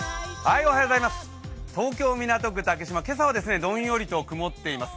東京・港区竹芝、今朝はどんよりと曇っています。